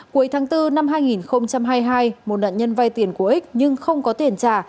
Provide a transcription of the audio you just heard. cuối tháng bốn năm hai nghìn hai mươi hai một nạn nhân vay tiền của ích nhưng không có tiền trả